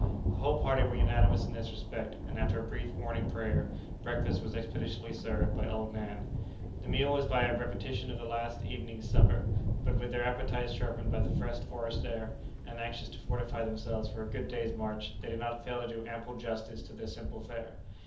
The whole party were unanimous in this respect, and after a brief morning prayer, breakfast was expeditiously served by old Nan. The meal was but a repetition of the last evening's supper, but with their appetites sharpened by the fresh forest air, and anxious to fortify themselves for a good day's march, they did not fail to do ample justice to their simple fare.